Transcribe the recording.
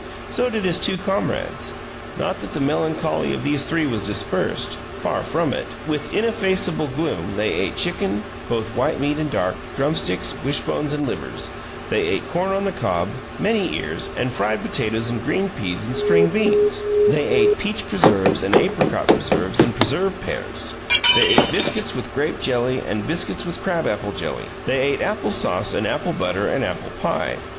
So did his two comrades. Not that the melancholy of these three was dispersed far from it! With ineffaceable gloom they ate chicken, both white meat and dark, drumsticks, wishbones, and livers; they ate corn on the cob, many ears, and fried potatoes and green peas and string beans; they ate peach preserves and apricot preserves and preserved pears; they ate biscuits with grape jelly and biscuits with crabapple jelly; they ate apple sauce and apple butter and apple pie.